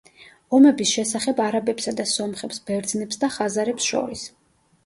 ომების შესახებ არაბებსა და სომხებს, ბერძნებს და ხაზარებს შორის.